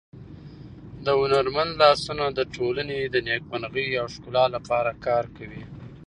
د هنرمند لاسونه د ټولنې د نېکمرغۍ او ښکلا لپاره کار کوي.